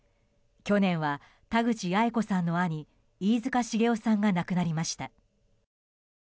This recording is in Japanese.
去年は、田口八重子さんの兄飯塚繁雄さんが亡くなりました。